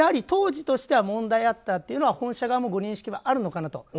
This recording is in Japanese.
当時としては問題があったというのは本社側もご認識はあるのかなと。